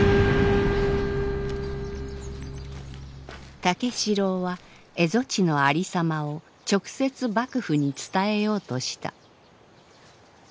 武四郎は蝦夷地のありさまを直接幕府に伝えようとした。